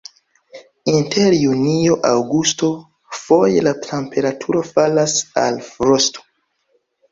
Inter junio-aŭgusto foje la temperaturo falas al frosto.